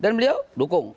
dan beliau dukung